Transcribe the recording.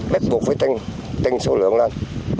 bết buộc phải tinh tinh số lượng lên